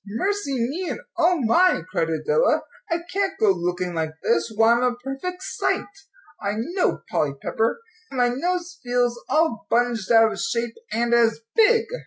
"Mercy me, and O my!" cried Adela. "I can't go looking like this; why, I'm a perfect sight, I know, Polly Pepper! and my nose feels all bunged out of shape and as big!"